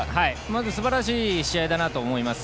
まずすばらしい試合だなと思います。